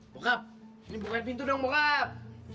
bokap ini bukain pintu dong bokap